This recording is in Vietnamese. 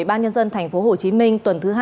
bàn nhân dân tp hcm tuần thứ hai